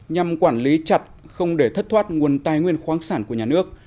nhằm quản lý chặt không để thất thoát nguồn tài nguyên khoáng sản của nhà nước